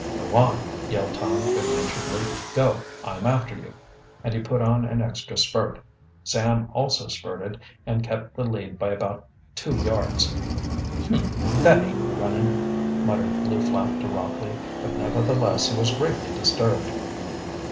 "Go on!" yelled Tom good naturedly. "Go! I'm after you!" and he put on an extra spurt. Sam also spurted and kept the lead by about two yards. "Humph! that ain't running!" muttered Lew Flapp to Rockley, but nevertheless, he was greatly disturbed.